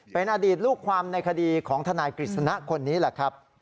เป็นอดีตลูกความในคดีของทนายกฤษณะคนนี้แหละครับ